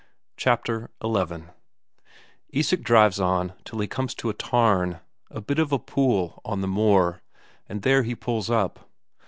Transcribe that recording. Chapter XI Isak drives on till he comes to a tarn, a bit of a pool on the moor, and there he pulls up.